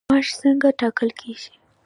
معاش څنګه ټاکل کیږي؟